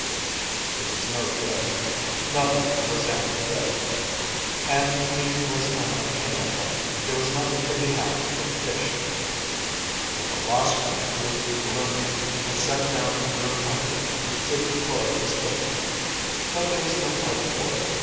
It was no good. Nothing was any good. And meat was unobtainable, there was nothing to be had but fish. The philosopher grew gloomy and sat down under a pumpkin to deplore his fate. But there was no help for it.